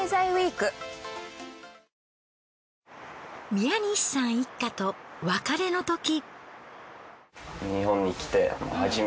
宮西さん一家と別れのとき。